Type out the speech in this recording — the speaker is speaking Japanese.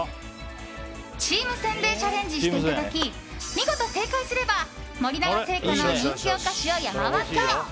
チーム戦でチャレンジしていただき見事正解すれば森永製菓の人気お菓子を山分け！